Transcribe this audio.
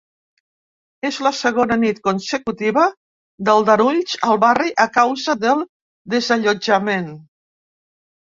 És la segona nit consecutiva d’aldarulls al barri a causa del desallotjament.